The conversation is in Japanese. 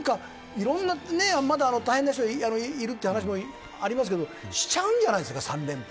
いろんな、まだ大変な人がいるっていう話もありますけどしちゃうんじゃないですか３連覇。